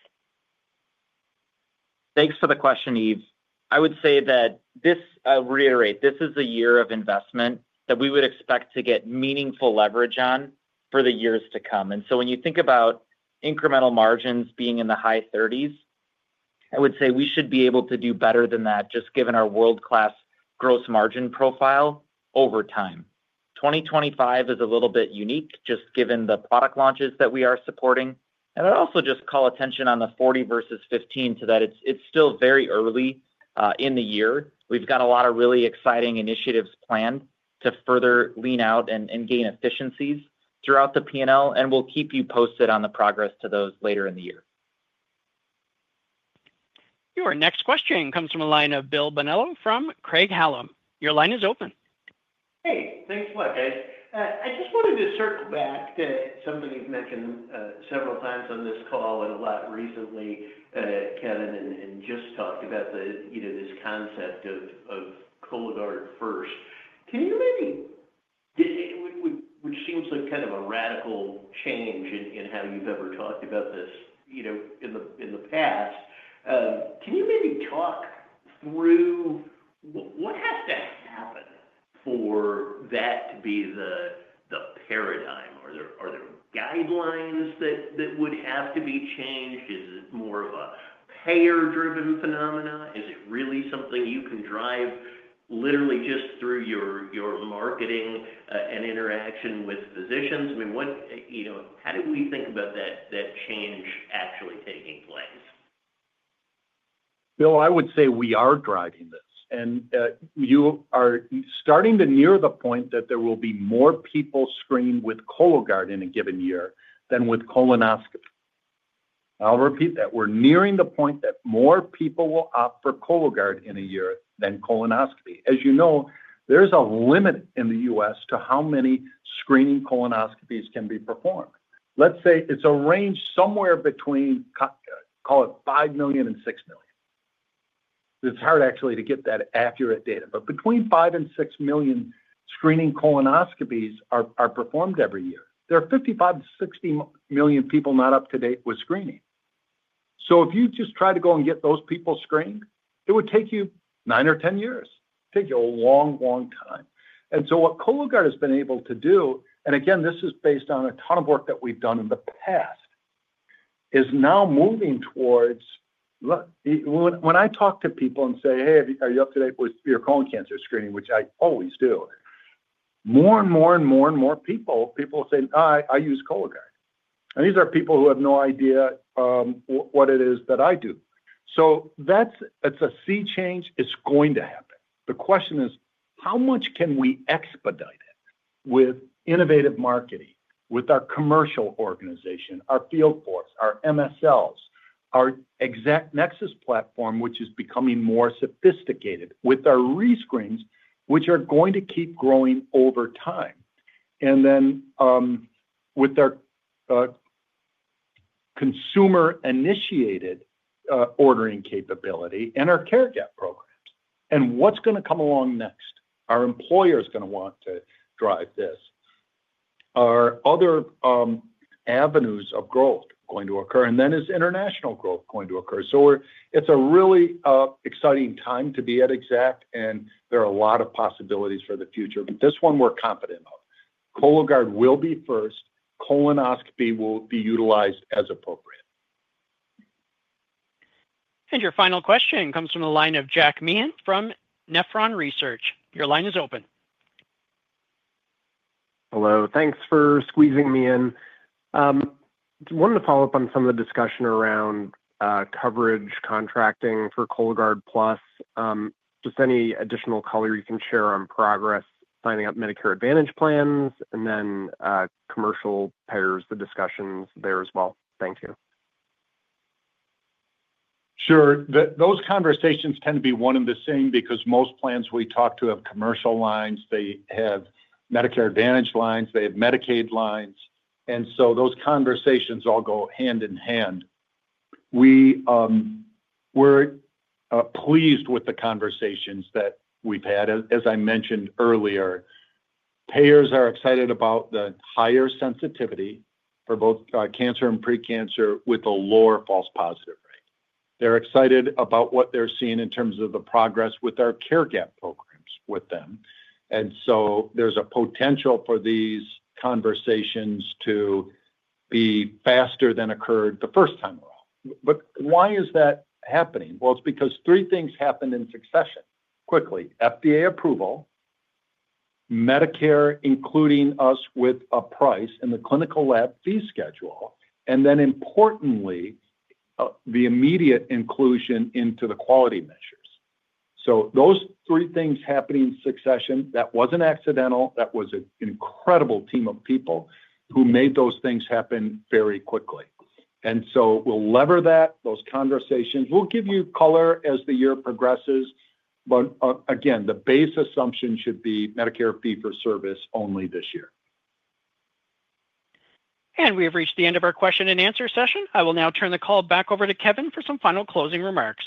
Thanks for the question, Eve. I would say that this, I'll reiterate, this is a year of investment that we would expect to get meaningful leverage on for the years to come. When you think about incremental margins being in the high 30s, I would say we should be able to do better than that just given our world-class gross margin profile over time. 2025 is a little bit unique just given the product launches that we are supporting. I'd also just call attention on the 40 versus 15 to that it's still very early in the year. We've got a lot of really exciting initiatives planned to further lean out and gain efficiencies throughout the P&L. We'll keep you posted on the progress to those later in the year. Your next question comes from the line of Bill Bonello from Craig-Hallum. Your line is open. Hey, thanks a lot, guys. I just wanted to circle back to something you've mentioned several times on this call and a lot recently, Kevin, and just talked about this concept of Cologuard first. Can you maybe, which seems like kind of a radical change in how you've ever talked about this in the past, can you maybe talk through what has to happen for that to be the paradigm? Are there guidelines that would have to be changed? Is it more of a payer-driven phenomena? Is it really something you can drive literally just through your marketing and interaction with physicians? I mean, how do we think about that change actually taking place? Bill, I would say we are driving this. You are starting to near the point that there will be more people screened with Cologuard in a given year than with colonoscopy. I'll repeat that. We're nearing the point that more people will opt for Cologuard in a year than colonoscopy. As you know, there's a limit in the U.S. to how many screening colonoscopies can be performed. Let's say it's a range somewhere between, call it 5 million and 6 million. It's hard actually to get that accurate data. Between 5 and 6 million screening colonoscopies are performed every year. There are 55-60 million people not up to date with screening. If you just try to go and get those people screened, it would take you 9 or 10 years. It would take you a long, long time. What Cologuard has been able to do, and again, this is based on a ton of work that we've done in the past, is now moving towards when I talk to people and say, "Hey, are you up to date with your colon cancer screening?" which I always do, more and more and more and more people say, "No, I use Cologuard." These are people who have no idea what it is that I do. That's a sea change. It's going to happen. The question is, how much can we expedite it with innovative marketing, with our commercial organization, our field force, our MSLs, our ExactNexus platform, which is becoming more sophisticated, with our rescreens, which are going to keep growing over time, and then with our consumer-initiated ordering capability and our Care Gap programs. What's going to come along next? Our employer is going to want to drive this. Are other avenues of growth going to occur? Is international growth going to occur? It is a really exciting time to be at Exact, and there are a lot of possibilities for the future. This one, we are confident of. Cologuard will be first. Colonoscopy will be utilized as appropriate. Your final question comes from the line of Jack Meehan from Nephron Research. Your line is open. Hello. Thanks for squeezing me in. I wanted to follow up on some of the discussion around coverage contracting for Cologuard Plus. Just any additional color you can share on progress, signing up Medicare Advantage plans, and then commercial payers, the discussions there as well. Thank you. Sure. Those conversations tend to be one and the same because most plans we talk to have commercial lines. They have Medicare Advantage lines. They have Medicaid lines. Those conversations all go hand in hand. We're pleased with the conversations that we've had. As I mentioned earlier, payers are excited about the higher sensitivity for both cancer and precancer with a lower false positive rate. They're excited about what they're seeing in terms of the progress with our Care Gap programs with them. There's a potential for these conversations to be faster than occurred the first time around. Why is that happening? It's because three things happened in succession quickly: FDA approval, Medicare, including us with a price in the clinical lab fee schedule, and then importantly, the immediate inclusion into the quality measures. Those three things happening in succession, that wasn't accidental. That was an incredible team of people who made those things happen very quickly. We will lever that, those conversations. We will give you color as the year progresses. Again, the base assumption should be Medicare fee-for-service only this year. We have reached the end of our question and answer session. I will now turn the call back over to Kevin for some final closing remarks.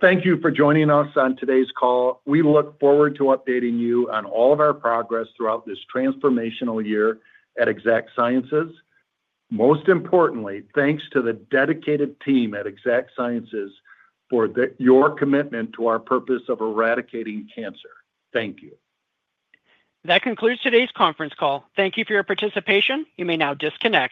Thank you for joining us on today's call. We look forward to updating you on all of our progress throughout this transformational year at Exact Sciences. Most importantly, thanks to the dedicated team at Exact Sciences for your commitment to our purpose of eradicating cancer. Thank you. That concludes today's conference call. Thank you for your participation. You may now disconnect.